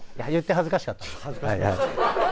恥ずかしかった。